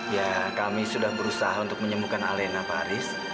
ya kami sudah berusaha untuk menyembuhkan alena pak aris